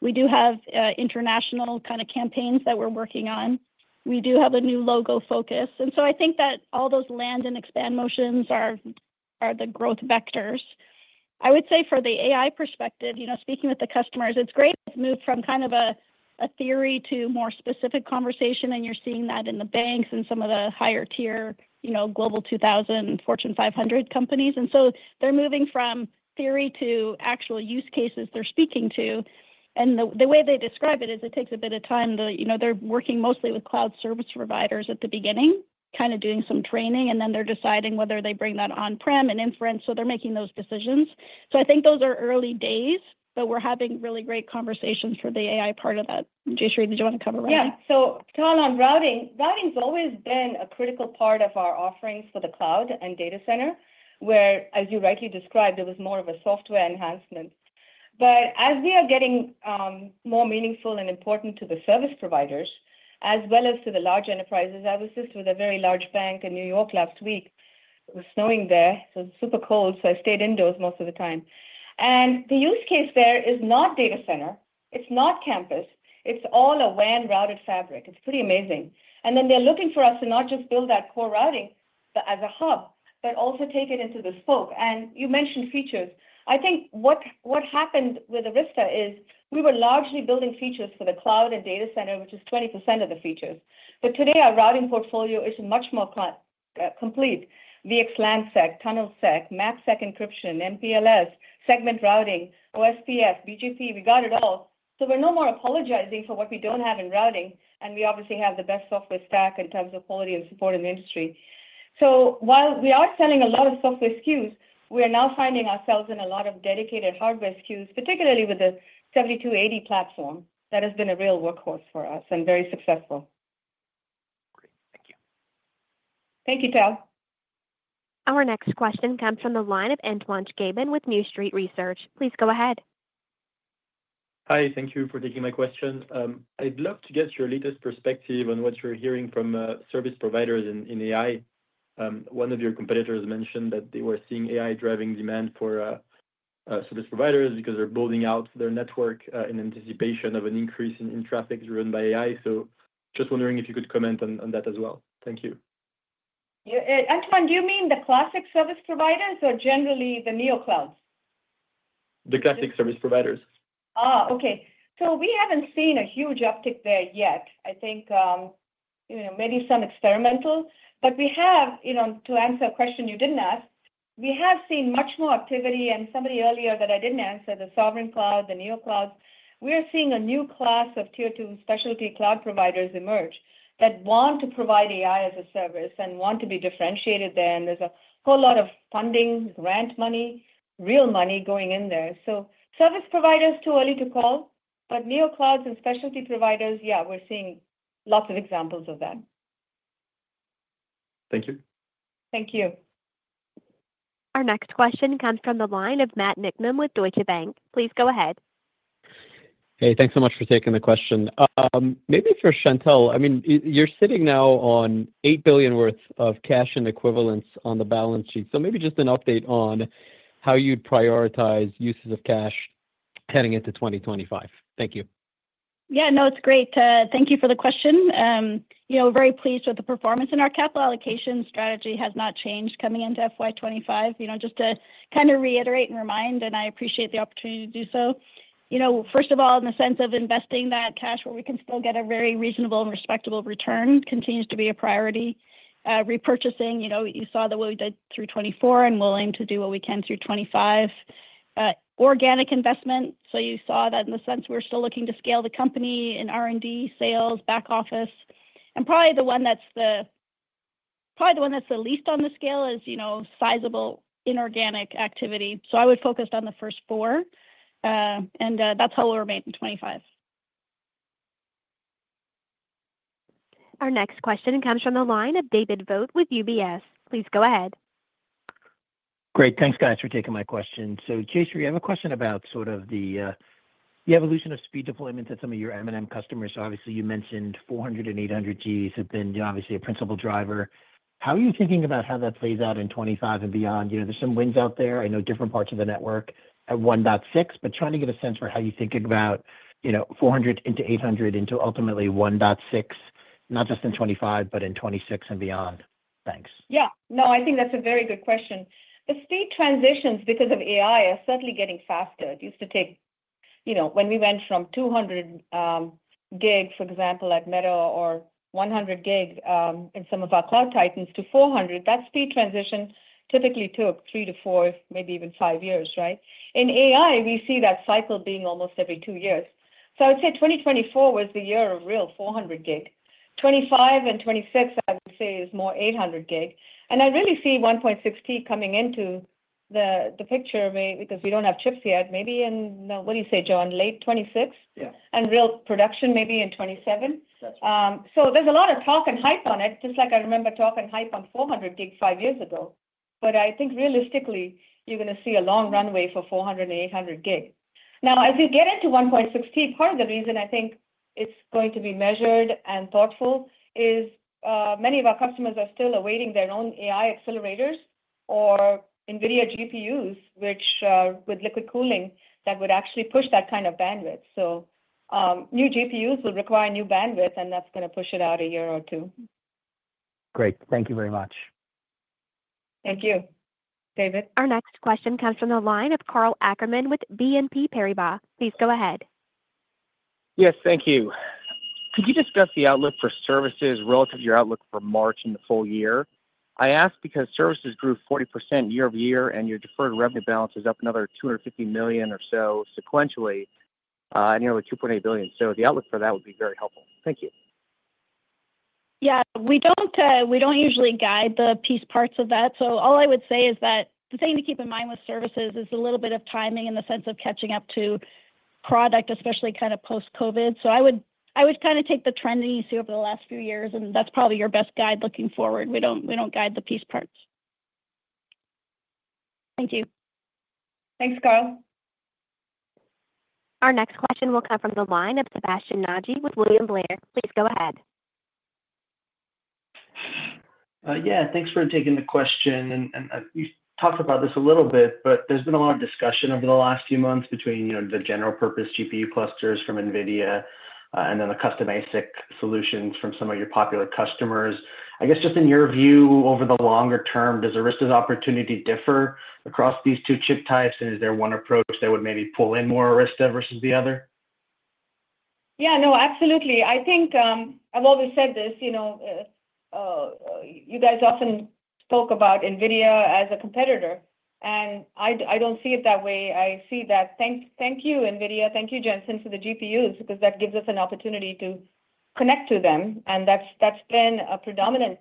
We do have international kind of campaigns that we're working on. We do have a new logo focus. And so I think that all those land and expand motions are the growth vectors. I would say for the AI perspective, speaking with the customers, it's great to move from kind of a theory to more specific conversation. And you're seeing that in the banks and some of the higher-tier Global 2000 and Fortune 500 companies. And so they're moving from theory to actual use cases they're speaking to. And the way they describe it is it takes a bit of time. They're working mostly with cloud service providers at the beginning, kind of doing some training, and then they're deciding whether they bring that on-prem and inference. So they're making those decisions. So I think those are early days, but we're having really great conversations for the AI part of that. Jayshree, did you want to cover routing? Yeah. So, talking on routing, routing has always been a critical part of our offerings for the cloud and data center, where, as you rightly described, it was more of a software enhancement. But as we are getting more meaningful and important to the service providers, as well as to the large enterprises, I was just with a very large bank in New York last week. It was snowing there, so it was super cold. So I stayed indoors most of the time. And the use case there is not data center. It's not campus. It's all a WAN routed fabric. It's pretty amazing. And then they're looking for us to not just build that core routing as a hub, but also take it into the spoke. And you mentioned features. I think what happened with Arista is we were largely building features for the cloud and data center, which is 20% of the features. But today, our routing portfolio is much more complete: VXLANSec, TunnelSec, MACsec encryption, MPLS, segment routing, OSPF, BGP. We got it all. So we're no more apologizing for what we don't have in routing. And we obviously have the best software stack in terms of quality and support in the industry. So while we are selling a lot of software SKUs, we are now finding ourselves in a lot of dedicated hardware SKUs, particularly with the 7280 platform. That has been a real workhorse for us and very successful. Great. Thank you. Thank you, Tal. Our next question comes from the line of Antoine Chkaiban with New Street Research. Please go ahead. Hi. Thank you for taking my question. I'd love to get your latest perspective on what you're hearing from service providers in AI. One of your competitors mentioned that they were seeing AI driving demand for service providers because they're building out their network in anticipation of an increase in traffic driven by AI. So just wondering if you could comment on that as well. Thank you. Antoine, do you mean the classic service providers or generally the Neo Clouds? The classic service providers. Oh, okay. So we haven't seen a huge uptick there yet. I think maybe some experimental. But we have, to answer a question you didn't ask, we have seen much more activity. And somebody earlier that I didn't answer, the sovereign cloud, the Neo Clouds, we are seeing a new class of Tier 2 specialty cloud providers emerge that want to provide AI as a service and want to be differentiated there. And there's a whole lot of funding, grant money, real money going in there. So service providers too early to call. But Neo Clouds and specialty providers, yeah, we're seeing lots of examples of that. Thank you. Thank you. Our next question comes from the line of Matt Niknam with Deutsche Bank. Please go ahead. Hey, thanks so much for taking the question. Maybe for Chantelle, I mean, you're sitting now on $8 billion worth of cash and equivalents on the balance sheet. So maybe just an update on how you'd prioritize uses of cash heading into 2025. Thank you. Yeah, no, it's great. Thank you for the question. We're very pleased with the performance in our capital allocation strategy has not changed coming into FY 2025. Just to kind of reiterate and remind, and I appreciate the opportunity to do so. First of all, in the sense of investing that cash where we can still get a very reasonable and respectable return continues to be a priority. Repurchasing, you saw that we did through 2024 and willing to do what we can through 2025. Organic investment. So you saw that in the sense we're still looking to scale the company in R&D, sales, back office. And probably the one that's the least on the scale is sizable inorganic activity. So I would focus on the first four, and that's how we'll remain in 2025. Our next question comes from the line of David Vogt with UBS. Please go ahead. Great. Thanks, guys, for taking my question. So, Jayshree, I have a question about sort of the evolution of speed deployments at some of your M and M customers. Obviously, you mentioned 400G and 800G have been obviously a principal driver. How are you thinking about how that plays out in 2025 and beyond? There's some wins out there. I know different parts of the network at 1.6, but trying to get a sense for how you think about 400 into 800 into ultimately 1.6, not just in 2025, but in 2026 and beyond. Thanks. Yeah. No, I think that's a very good question. The speed transitions because of AI are certainly getting faster. It used to take when we went from 200 gig, for example, at Meta or 100 gig in some of our Cloud Titans to 400 gig, that speed transition typically took three to four, maybe even five years, right? In AI, we see that cycle being almost every two years. So I would say 2024 was the year of real 400 gig. 2025 and 2026, I would say, is more 800 gig. And I really see 1.6T coming into the picture because we don't have chips yet. Maybe in, what do you say, John? Late 2026? Yeah. Real production maybe in 2027. That's right. So there's a lot of talk and hype on it, just like I remember talk and hype on 400 gig five years ago. But I think realistically, you're going to see a long runway for 400 and 800 gig. Now, as you get into 1.6T, part of the reason I think it's going to be measured and thoughtful is many of our customers are still awaiting their own AI accelerators or NVIDIA GPUs, which with liquid cooling, that would actually push that kind of bandwidth. So new GPUs will require new bandwidth, and that's going to push it out a year or two. Great. Thank you very much. Thank you, David. Our next question comes from the line of Karl Ackerman with BNP Paribas. Please go ahead. Yes, thank you. Could you discuss the outlook for services relative to your outlook for March in the full year? I ask because services grew 40% year over year, and your deferred revenue balance is up another $250 million or so sequentially and nearly $2.8 billion. So the outlook for that would be very helpful. Thank you. Yeah. We don't usually guide the piece parts of that. So all I would say is that the thing to keep in mind with services is a little bit of timing in the sense of catching up to product, especially kind of post-COVID. So I would kind of take the trending you see over the last few years, and that's probably your best guide looking forward. We don't guide the piece parts. Thank you. Thanks, Karl. Our next question will come from the line of Sebastien Naji with William Blair. Please go ahead. Yeah, thanks for taking the question. And you talked about this a little bit, but there's been a lot of discussion over the last few months between the general-purpose GPU clusters from NVIDIA and then the custom ASIC solutions from some of your popular customers. I guess just in your view, over the longer term, does Arista's opportunity differ across these two chip types, and is there one approach that would maybe pull in more Arista versus the other? Yeah, no, absolutely. I think I've always said this. You guys often spoke about NVIDIA as a competitor, and I don't see it that way. I see that. Thank you, NVIDIA. Thank you, Jensen, for the GPUs because that gives us an opportunity to connect to them. And that's been a predominant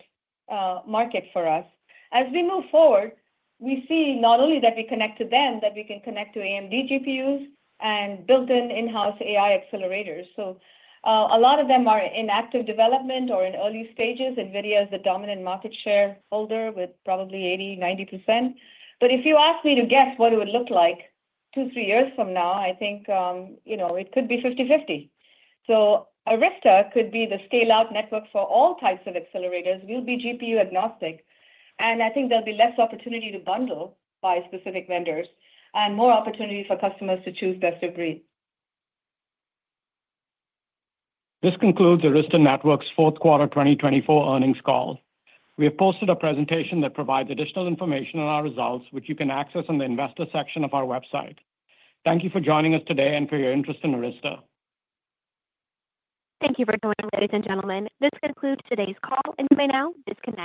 market for us. As we move forward, we see not only that we connect to them, that we can connect to AMD GPUs and built-in in-house AI accelerators. So a lot of them are in active development or in early stages. NVIDIA is the dominant market shareholder with probably 80%-90%. But if you ask me to guess what it would look like two, three years from now, I think it could be 50/50. So Arista could be the scale-out network for all types of accelerators. We'll be GPU agnostic. I think there'll be less opportunity to bundle by specific vendors and more opportunity for customers to choose best of breed. This concludes Arista Networks' fourth quarter 2024 earnings call. We have posted a presentation that provides additional information on our results, which you can access on the Investor section of our website. Thank you for joining us today and for your interest in Arista. Thank you for joining us, ladies and gentlemen. This concludes today's call, and you may now disconnect.